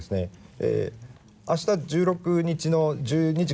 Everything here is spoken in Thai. ใน